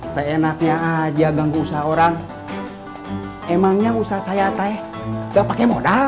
seenaknya aja ganggu usaha orang emangnya usaha saya teh gak pakai modal